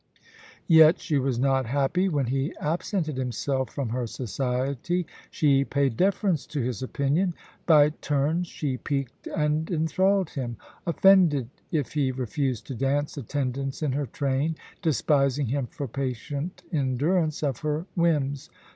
Yet she was not happy when he absented himself from her society. She paid deference to his . opinion : by turns she piqued and enthralled him, offended if he refused to dance attendance in her train, despising him for patient endurance of her whims..